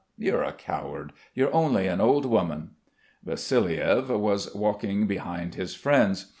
You're a coward; you're only an old woman." Vassiliev was walking behind his friends.